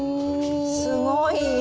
すごい。